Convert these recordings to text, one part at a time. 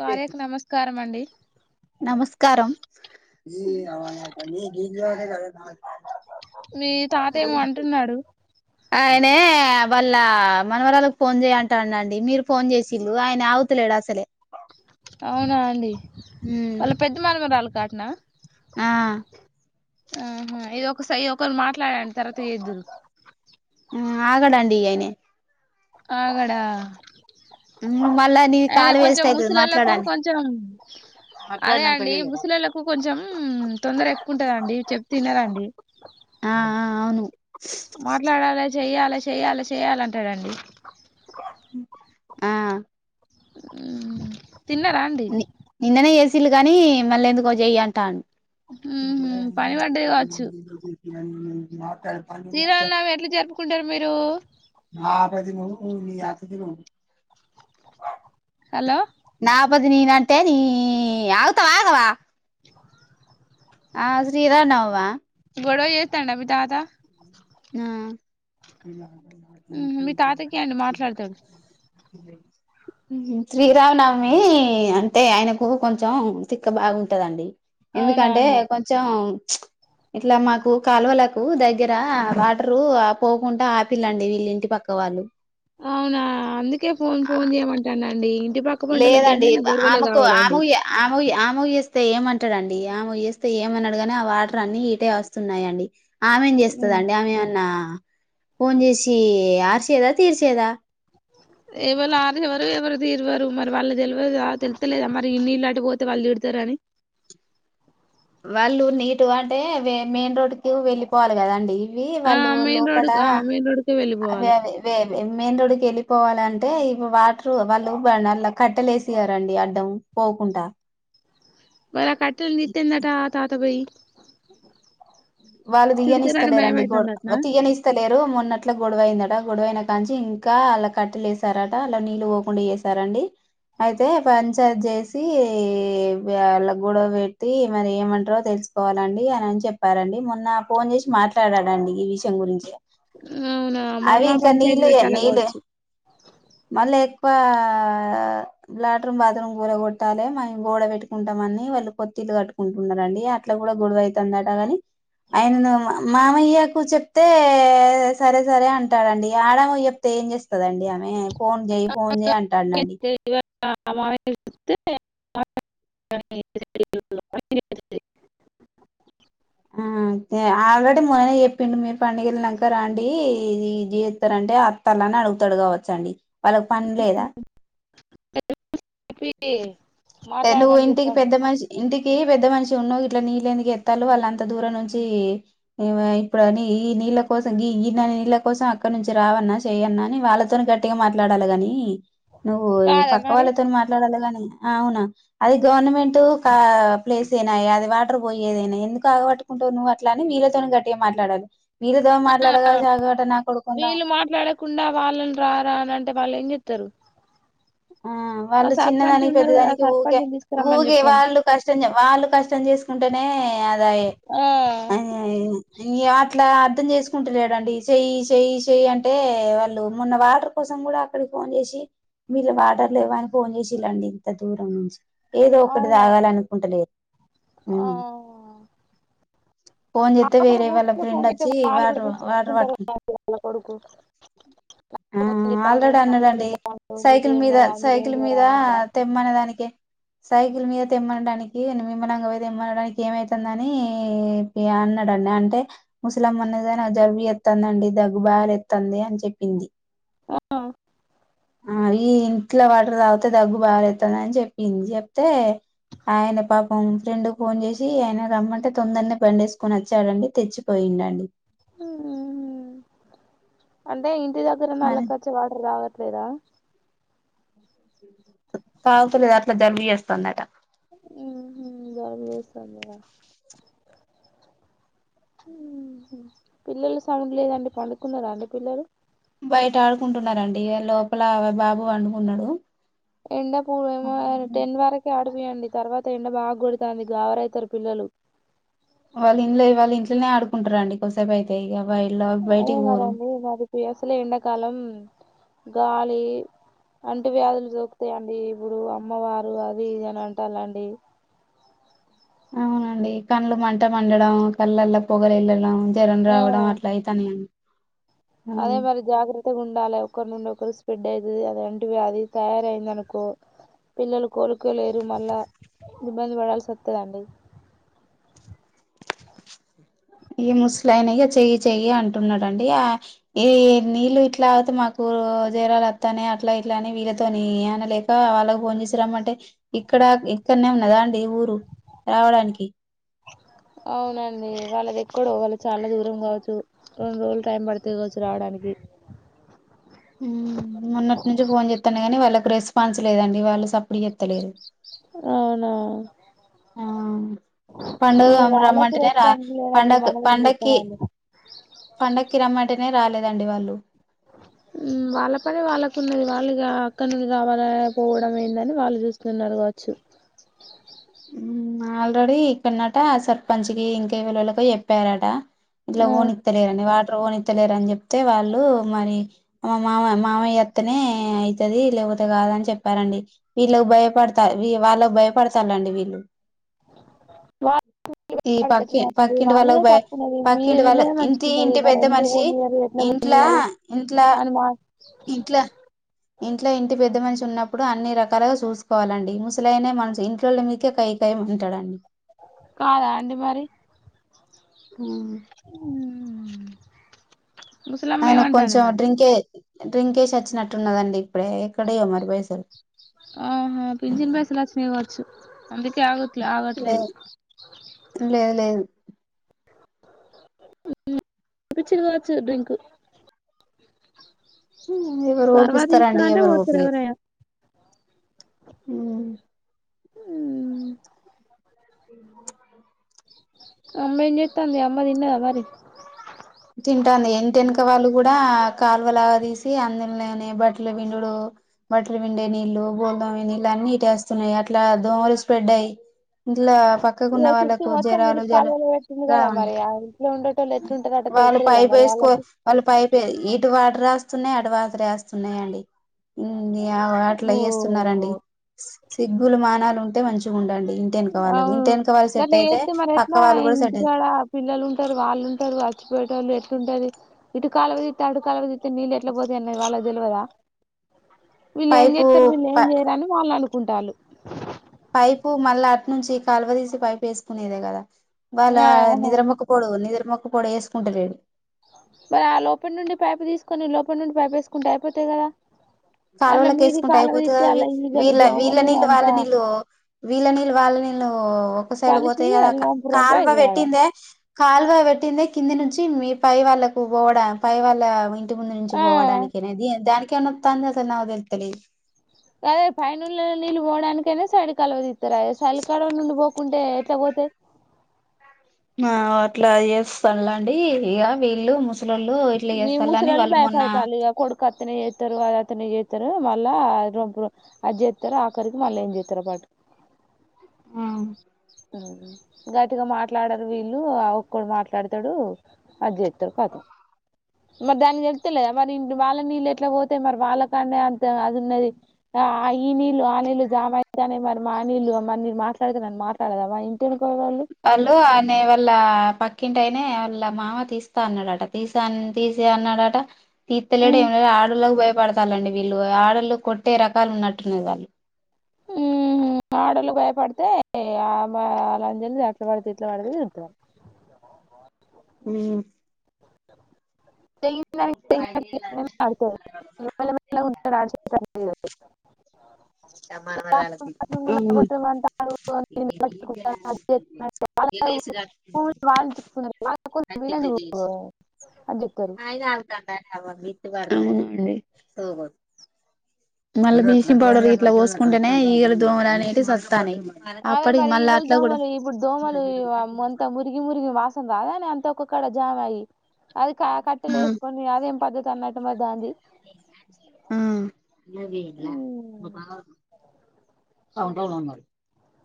కార్యక్ నమస్కారం అండి నమస్క్రామ్ మీ తాత ఏమో అంటున్నాడు ఆ నే వాళ్ళ మనవరాలకు ఫోన్ చేయంటాండండి మీరు ఫోన్ చేసిళ్ళు ఆయన ఆగుతలేడు అసలే అవునా అండి ఉమ్ వాళ్ళ పెద్ద మార్మరాలు కాటనా ఆ ఆహ ఇది ఒక సై ఒక్ ఒకరు మాట్లాడండి తర్వాత ఎదురు ఆగడండి ఆయనే ఆగడా మళ్ళా నీ ఆయన కాలు కొంచెం వేస్ట్ అయితది ముసలలకు మాట్లాడండి కొంచెం అదే అండి ముసలిళ్లకు కొంచెం తొందర ఎక్కువంటందండి చెప్తే వినరండి ఆ ఆ ఔ మాట్లాడాలి చెయ్యాలి చెయ్యాలి చెయాలంటాడండి ఆ తిన్నారా అండి తిల్లు కాని మలెన్దుకో చెయ్యంటండు మ్మ్ పని పడ్డది కావచ్చు శ్రీరామనవమి ఎట్లా జరుపుకుంటారు మీరు ఆ [unintelligible] హలో నా పది నీదంటే నీ ఆగుతవా ఆగవా ఆ శ్రీరాంనవమా గొడవ చేస్తాండా మీ తాత ఆ [inaudible] మ్మ్ మీ తాతకి అండి మాట్లాడతాడు శ్రీరామనవమీ అంటే ఆయనకు కొంచం తిక్క బాగుంటదండి అవునా ఎందుకంటే అండి కొంచెం ఇట్లా మాకు కాలువలకు దగ్గ్ దగ్గర వాటరు పోకుండా ఆపిల్లన్డి విళ్లింటి పక్క వాళ్ళు అవునా అందుకే ఫోన్ ఫోన్ చేయమంటానండి ఇంటి పక్క పంటోళ్ళకి లేదండి ఏమైనా గొడవలే ఆమెకు కావాలండి అమూయ అమూయ అమూయచే స్తే ఏమంటడండి ఆమె చేస్తే ఏమనడు గాని ఆ వాటర్ అన్ని ఇటే వస్తున్నాయి అండి ఆమె ఏం చేస్తా దండి ఆమెమన్నా ఫోన్ చేసి ఆర్చేదా తీర్చేదా ఎవళ ఆదివరు ఎవరు తీరువరు మరి వాళ్ళ తెల్వదా తెలుస్తలేదా మరి ఇ నీళ్లు అటు పోతే వాళ్ళు తిడతార్ త్రని వాళ్ళు నీటు అంటే మెయిన్ రోడ్డుకు వెళ్ళిపోవాలి కదాండి వి ఆ వాళ్ళు మెయిన్ రోడ్ లోపట ఆ మెయిన్ రోడ్కే వెళ్ళిపోవాలి అవేవేవే వే మెయిన్ రోడికి వెళ్లిపోవాలంటే ఇవు వాటరు వాళ్ళు బాణల్లా కట్టెలు వేసిరండి అడ్డం పోకుంట మల ఆ కట్టెలు తీత్తే ఏందంట ఆ తాతబొయి వాళ్ళు తిడతారని భయం తీయనిస్తలేరండి గోడ్ అయితుందటనా తీయనిస్తలేరు మొన్న మొన్నట్లే గొడవయిందట గొడవైన కా నుంచి ఇంకా ఆళ్ల కట్టలేస్తారంట అలా నీళ్ళు పోకుండా చేసారండి అయితే పంచాయత్ చేసి వాళ్ళ గొడవ పెట్టి మరి ఏమంటరో తెలి తెలుసుకోవాలండి అనని చెప్పారండి మొన్న ఫోన్ చేసి మాట్లాడాడండి ఈ విషయం గురించి అవునా అవి మళ్ళా ఇంకా పంచాయతీ నీళ్ళు పెట్టాలి నీళ్ళు కావచ్చు ఆ లాట్రమ్ బాత్రూమ్ కూల గొట్టాలె మం గోడ పెట్టుకుంటాం అని వాళ్ళు కొత్త్తీలు కట్టుకుంటున్నారంండి అట్లా కూడా గొడవతందాందట గానీ అయినను మామయ్య కూ చెప్తే సరే సరే అంటాడండి ఆడమాకు చెప్తే ఏం చేస్తదండి ఆమె ఫోన్ చేయ్ ఫోన్ చేయ్ అంటాడునండి [inaudible] ఆల్రెడీ మొన్ననే చెప్పిండు మీరు పండుగ వెళ్ళినాక రాన్డి ఇది చేస్తరంటే అత్తలాని అడుగుతడుగావచ్చ అండి వాళ్ళకి పని లేదా [inaudible] నువ్వు మాట్లాడమని ఇంటికి చెప్పండి పెద్ద మనిషి ఇంటికి టికీ పెద్ద మనిషి ఉన్నవు ఇట్లా నీలెందుకు ఎత్తలు వాళ్ళంత దూరం నుంచి ఇప్పుడు అని నీళ్ళ కోసం గీ ఈ న నీళ్ళ కోసం అక్కడ నుంచి రావన్నా చేయన్న అని వాళ్ళతోనే గట్టిగా మాట్లాడాలి గాని నువ్వు ఈ కాదా పక్క మరి వాళ్ళతోని మాట్లాడాలి గాని ఆ అవునా అది గవర్నమెంట్ ప్లేస్ అయినాయి అది వాటర్ పోయ ఏదైనా ఎందుకు ఆగబట్టుకుంటువు నువ్వు అట్లా అనీ మీళ్ళతోనే గట్టిగా మాట్లాడాలి వీళ్ళతో మాట్లాడగా చాగుట నా కొడుకుంరాం వీళ్ళు వాళ్ళేంచేత్తరు ఆ వాళ్ళు చిన్నదానికి కదా ఆ పెద్దదానికి ఊకే సర్పంచ్ని తీసుకురమ్మని ఊకే చెప్పండి వాళ్ళు కష్టం చే వాళ్ళు కష్టం చే చేసుకుంటేనే అదాయే ఆ అట్లా అర్థం చేసుకుంటలేడండి చెయ్యి చెయ్యి చెయ్యి అంటే వాళ్ళు మొన్న వాటర్ కోసం కూడా అక్కడికి ఫోన్ చేసి వీళ్ళు వాటర్ లెవా అని ఫోన్ చేసిళ్ళండి ఇంత దూరం నుంచి ఏదో ఒకటి అవునా తాగాలినుకుంటలేదు ఆ ఫోన్ చేస్తే పక్కన వేరే వాళ్ళ ఊరికే ఫోన్ ఫ్రెండ్ చేస్తే వచ్చి వాళ్ళు కూడా వారు వారు తీసుకుంటారు పట్టుకు కదా వాళ్ళ కొడుకు ఆ ఫోన్ చేస్తాండు ఆల్రెడీ నాకు అన్నాడండి చేస్తాండు మీరు సైకిల్ మీద ఉన్నారా మీరు ఏం సైకిల్ చేయరా మీద అని అన్నాడా తెమ్మనే దానికే సైకిల్ మీద తెమ్మనడానికి మిమ్మనంగ పోయి తెమ్మనడానికి ఏమైతుందనీ యా ఉన్నాడండి అంటే ముసలమ్మ అన్నదనా జలుబు చేత్తందండి దగ్గు బాగా తేతాంది అని చెప్పింది [unintelligible] మీ ఇంట్లో వాటర్ తాగితే దగ్గు బాగాలేతుందిని చెప్పింది చెప్తే ఆయన పాపం ఫ్రెండ్ ఫోన్ చేసి ఆయన రమ్మంటే తొందరనే బండిసుకుని వచ్చాడండి తెచ్చిపోయి ఇనండి హ్మ్ అంటే ఇ ఇంటి దగ్గరన్న మరి అలాక వచ్చి వాటర్ తాగట్లేదా కావతులేదు అట్లా జలుబు చేస్తుందంట ఉమ్ జలుబు చేస్తోందా పిల్లలు సౌండ్ లేదండి పడుకున్నారా అండి పిల్లలు బయట ఆడుకుంటున్నారండి లోపల బాబు పడుకున్నాడు ఎండ పూర్వ ఏం టెన్వరకే ఆడు [unintelligible] తర్వాత ఎండ బాగా కొడతాంది గరైతారు పిల్లలు వాళ్ళ ఇంట్లో వాళ్ళ ఇంట్లోనే ఆడుకుంటార అండి కొసేపు అయితే ఇగ అదే మరి అండి వాళ్లకి అసలే ఎండాకాలం గాలి అంటూ వ్యాధులు సోకుతాయిండి ఇప్పుడు అమ్మవారు అది ఇది అని అంటాలండి అవునండి కళ్ళలు మంట మండడం కళ్ళల్లో పొగలు ఎల్లడం జరం ఆ రావడం అట్ల అయితన అండి అదే మరి జాగ్రత్తగా ఉండాలే ఒకరి నుండి ఒకరు స్ప్రెడ్ అయి అది అంటూ వ్యాధి తయారయ్యిందనుకో పిల్లలు కోలుకోలేరు మల్ల ఇబ్బంది పడాల్సి వస్తుందండి ఈ ముసలయినా ఇక చెయ్యి చెయ్యి అంటున్నాడుండి ఆ ఈ నీళ్ళు ఇట్లా అవుతుంది మాకు రోజు జేరాలుత్తా అట్లా ఇట్లానే వీళ్ళతోని అనలేక వాళ్ళకి పోన్ చేసి రమ్మంటే ఇక్కడ ఇక్కడనే ఉన్నదా అండి ఊరు రావడానికి అ అవునండి వాళ్ళది ఎక్కడో వాళ్ళు చాలా దూరం కావచ్చు రెండు రోజులు టైం పడతాది కావచ్చు రావడానికి హ్మ్ మొన్నటి నుంచి ఫోన్ చేతనే గానీ వాళ్ళకు రెస్పాన్స్ లేదండి వాళ్ళు సప్పుడు చేతలేదు రా అవునా పండగ ఇగ ఆమె వాళ్ళకి రమ్మంటనే రాదు రెస్పాన్స్ లేనప్పుడు పండకు మనం ఏం పండక్కి చేస్తామండి పండకి రమ్మ హ్మ్ వాళ్ళ పని వాళ్ళకు ఉన్నది వాళ్ళ ఇగ అక్క నుండి రావాలా పోవడం ఏందని వాళ్ళు చూస్తున్నారు కావచ్చు హ్మ్ ఆల్రెడీ ఇక్కనంట సర్పంచ్ కి ఇంకె ఎవలువలుకో చెప్పారట ఇట్లా ఆ ఓనికి తెలీదండి వాటర్ ఓని ఎతలేరుని చెప్తే వాళ్ళు మరి మా మామ మామయ్య అత్తనే అయితది లేకపోతే కాదు దని చెప్పారండి వీళ్ళ భయపడతారు వీ వాళ్లు భయపడతారండి వీళ్ళు వా ఈ ల్ పక్కి [unintelligible] పక్కింటి వాళ్ళదే వాళ్ళకు బయ తప్పున్నది మీద పక్కింటి వాళ్ళ వీళ్ళదే మంచి ఇంటి ఉన్నది ఇంటి మరి పెద్ద ఎందు మనిషి గరు ఎట్లా మీ ఇంట్లా యరు ఇంట్లా హనుమాన్ ఇంట్లా ఇంట్లో ఇంటి పెద్ద మనిషి ఉన్నప్ ఇప్పుడు అన్ని రకాలుగా చూసుకోవాలండి ముసలైనే మనసు ఇంట్లో మీదకే కై కై మంటాడండి కాదా అండి మరి హ్మ్ హుమ్ ఆయనకు కొంచెం డ్రింకే డ్రింకేసి వచ్చినట్టున్నదండి ఇప్పుడే ఎక్కడయ్యో మరి బైసలు ఆహా పిజన్ పైసలచ్చమీచ్చు అందుకే ఆగట్లే లే ఆగట్లేదు లేదు లేదు పపచ్చిదివచ్చు డ్రింక్ ఎవరు సర్వా తీస్తా ఓపిస్తారంండి అంటే ఎవరు పోతారు ఓపి అ ఎవరైనా అ ఉ అమ్మయి నత అంది అమ్మదిన్నదా మరి కాల్వ లా తీసి అంద ని బట్టల బిండుడు బట్టలు బిండే నీళ్ళలు బోల్దామ నీళ్ళలు అన్ని వేస్తున్నాయి అట్లా స్ప్రెడ్యి ఇట్లా ఇగ పక్కకున్న చుట్టూ వాళ్ళలకు మొత్తం జరాలు మురికి జర కాలువలో పెట్టింది కదా రావండి మరి ఆ ఇంట్లో ఉండేటోళ్ళు ఎట్లుంటారట వాళ్ళు తెలుస్తలేదా పైపు మరి వేసుకో వాళ్ళకి వాళ్ళ పైప ఇటు వాట రాస్తున్నాయి అటు వాట వేస్తున్నాయంండి అట్లా అయేస్తున్నారండి సిగ్గులు మానాలు ఉంటే మంచిగా ఉండండి ఇంటి వెనక వాళ్ళకు అవును ఇంటి వెనక వాళ్ళు అట్ సెట్ అయితే చేస్తతే మరి పక్క ఎట్లా వాళ్ళు కూడా సెట్ అయి ఇంటికాడ పిల్లలు ఉంటారు వాళ్ళు ఉంటారు మర్చియే వాళ్ళ ఎలుంటు ఇటు కాలవదితే అటు కాలువదితే నీళ్ళు ఎట్లా పోతాయి అది వాళ్ళ తెలియదా వీళ్ళు ఏం పైపు చేస్తారు వీళ్ళు ఏం చేయరని వాళ్ళు అనుకుంటారు పైపు మళ్ళీ అటునుంచి కాలువ తీసి పైపు వేసుకునేదే కదా వాళ్ళ ఆహా నిద్రమొక్క పడు నిద్ర మొక్క పొడు వేసుకుంట రడి ఎ నుండి పైపేసుకుంటే అయిపోతాయి కదా అట్లా కాలువల మీది వేసుకుంటే కాలువ అయిపోతు కా తీత్తే అల్ల ఈగలు వీళ్ళ వీళ్ళ దోమలు నీళ్ళు వాళ్ళ అంతా నీళ్ళు వీళ్ళ నీళ్ళు వాళ్ళ నీళ్ళు ఒక సైడ్ కలిసి పోతాయి కదా ఎల్లంపురంప కాల్వ ఎగురాడ పెట్టిందే కాల్వ పెట్టింది కింది నుంచి మీ పై వాళ్ళకు పోడం పై వాళ్ళ ఇంటి ముందు నుంచి ఆ పోవడానికినేది దానికి తా అద అద తెలే అదే పైనళ్ళ నీళ్ పోడాకైనా సడి కలువదిస్తారు అ చల్కాడ నుండి పోకుంటే ఎట్లా పో [inaudible] ఆ అట్లా చేస్తానులాండి ఇక వీళ్ళు ము నివ ముసరలు భయపడతాలి కొడుకతనే ఏయితరు అద అతను చేస్తారు మళ్ళా అప్పుడు అది చేస్తారు ఆఖరికి మళ్ళా ఏం చేస్తారు పాటు ఆ గట్టిగా మాట్లాడారు వీళ్ళు ఆ ఒక్కడు మాట్లాడతాడు అజే ఉత్తర కాదు మరి దానికి వెళ్తేలేదా మరి ఇ వాళ్ళ నీళ్ళు ఎట్లా పోతా మరి వాళ్ళ కాండే అంత అది ఉన్నది ఆ ఈ నీళ్ళలు ఆ నీళ్లు జామ అయితానే మరి మా నీళ్లు మరి నరు మాట్లాడితే నన్ను మాట్లాడదామా ఇంట వాలు అనే వాళ్ళ ప తక్కింటైనే వాళ్ళ మామ తీస్తా అన్నాడట తీస తీసి అన్నాడట తీర్థలేడు ఏమ లే ఆడళకి భయపడతాలండి వీళ్ళు ఆడలు కొట్టే రకాలు ఉన్నట్టున్న వాళ్ళు ఆ ఆడలు భయపడితే అలాం అట్లా పడితేట్లా పడితే తింటంది [inaudible] మీ [inaudible] సమాన మరాలకి బాత్రూమ్ గుల్లగొట్టమంటాడు నేను పట్టుకుంటా అది చేస్తానంటే వాళ్ళ ఏస ప భూములు వాళ్ళు ఇచ్చుకున్నారు వాళ్ళ కోసం వీళ్ళెందుకు అని చెప్తారు అయన ఆల్కంట అవుం మళ్ళ బిల్ంగ్ పౌడ ఇట్లా పోసుకుంటేనే ఈగల దోమలు అనేవి సస్తానే అదే మరి ఈగ దోమలు ఇప్పుడు దోమలు అంత మురిగి మురిగి వాసం కాదాని అంత ఒక్కక్కడ జామ్ అయ్యి అది ఆ కట్టలు వేసుకొని అది పద్ధతి అన్నట్టు మరి దాన్ని ఉమ్ [unintelligible]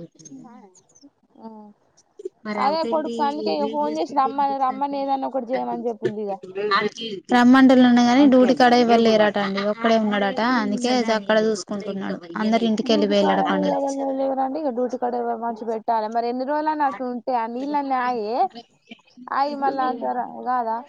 ఆ మరి అవతల్ది వీళ్లు చేస్తుంటే రమ్మని గుర్తుందా రమ్మని ఏదన్నా ఒకటి నాకు చేయమని చెప్పుంది ఇక తెలుస్తుంది ఆళ్లకి రమండలు ఉన్నాయి కాగానీ డూటీ కడ ఇవ్వలేరాట అండి ఒక్కడే ఉన్నాడట అందుకే అక్కడ చూసుకుంటున్నాడు అందరు ఇంటికి డ్యూటికాడ వెళ్ళిపోయిళ్ళట పండుగకి లేవరండి ఇంక డ్యూటికాడ మంచి పెట్టాలి మరి ఎందుకు ఇలా నాకు ఉంటే ఆ నీళ్ళని ఆయ ఆయి మల్ళ అంతార కాదా [inaudible]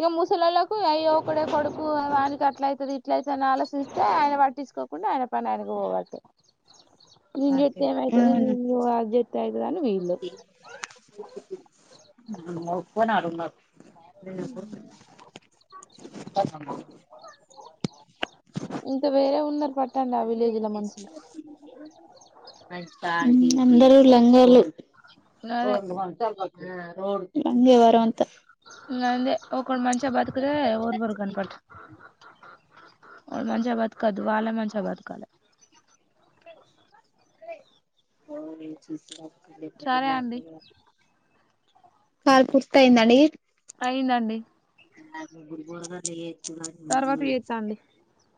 ఇ ముసలాలో అయ్యో ఒకడే కొడుకు ఆననికి అట్ల అవుతుంది ఇట్ల అయితు అని ఆలోచిస్తే ఆయన పట్టించుకోకుండా ఆయన పని ఆయన [unintelligible] నే జెప్తే ఏమవుతుది ని అ జెప్తే అయితుద అను వీల్లు హ్మ్మ్ ఆడికి పోనారు ఉన్నారు ఏం చేస్తావ్ [unintelligible] ఇంత వేర [inaudible] అందరు లంగాలు అదే [inaudible] వారు అంత అందే ఒకడు మంచిగా బతుకి తే ఓర్వరు కానీ పట్టు ఒకరు మంచిగా బతకద్దు వాళ్ళే మంచిగా బతకాల [inaudible] సరే అండి కాల్ సుస్తయిందడి అయిందండి తర్వాత చేత్తా అండి [unintelligible]